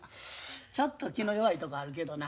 ちょっと気の弱いとこあるけどな。